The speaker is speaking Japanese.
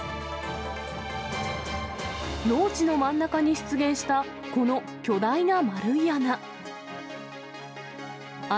農地の真ん中に出現したこの巨大な丸い穴。